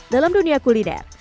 dalam dunia kuliner